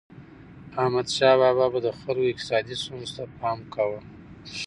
احمدشاه بابا به د خلکو اقتصادي ستونزو ته پام کاوه.